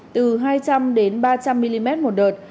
từ hai trăm linh đến ba trăm linh mm một đợt